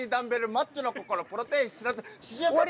マッチョの心プロテイン知らず。